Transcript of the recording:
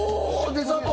デザート